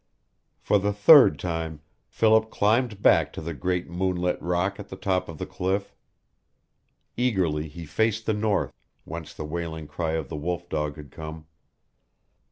For the third time Philip climbed back to the great moonlit rock at the top of the cliff. Eagerly he faced the north, whence the wailing cry of the wolf dog had come.